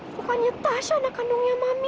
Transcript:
bukannya tas anak kandungnya mami